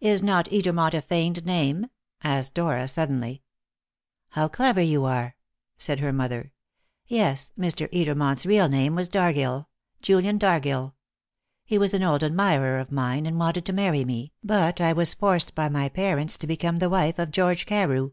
"Is not Edermont a feigned name?" asked Dora suddenly. "How clever you are!" said her mother. "Yes; Mr. Edermont's real name was Dargill Julian Dargill. He was an old admirer of mine, and wanted to marry me, but I was forced by my parents to become the wife of George Carew."